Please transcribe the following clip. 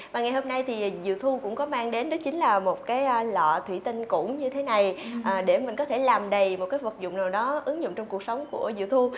và ngày hôm nay thì diệu thu cũng có mang đến đó chính là một cái lọ thủy tinh cũ như thế này để mình có thể làm đầy một cái vật dụng nào đó ứng dụng trong cuộc sống của diệu thu